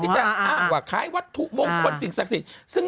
ตรงกลมดู